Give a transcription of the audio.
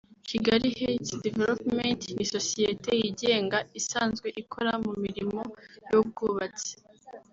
Kigali Heights Development ni sosiyete yigenga isanzwe ikora mu mirimo y’ubwubatsi